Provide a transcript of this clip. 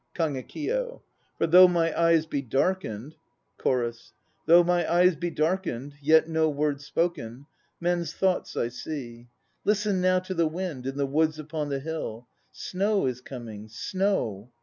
KAGEKIYO. For though my eyes be darkened CHORUS. "Though my eyes be darkened Yet, no word spoken, Men's thoughts I see. Listen now to the wind In the woods upon the hill: Snow is coming, snow!